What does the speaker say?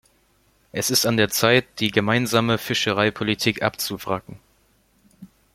Es ist an der Zeit, die gemeinsame Fischereipolitik abzuwracken.